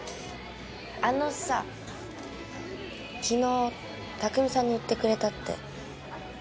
昨日拓海さんに言ってくれたって。